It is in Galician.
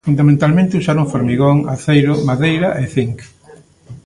Fundamentalmente usaron formigón, aceiro, madeira e zinc.